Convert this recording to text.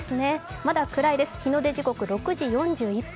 まだ暗いです、日の出時刻６時４１分。